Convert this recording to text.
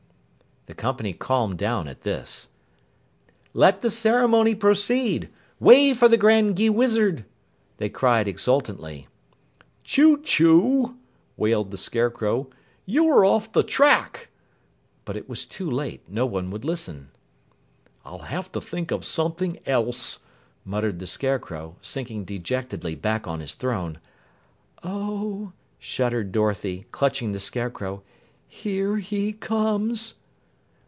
The company calmed down at this. "Let the ceremony proceed! Way for the Grand Gheewizard!" they cried exultantly. "Chew Chew," wailed the Scarecrow, "you're off the track!" But it was too late. No one would listen. "I'll have to think of something else," muttered the Scarecrow, sinking dejectedly back on his throne. "Oh!" shuddered Dorothy, clutching the Scarecrow, "Here he comes!"